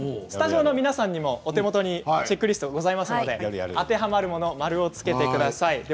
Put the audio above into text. スタジオの皆さんにもお手元にチェックリストがございますので当てはまるものに〇をつけてください。